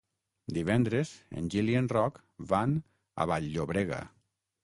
Divendres en Gil i en Roc van a Vall-llobrega.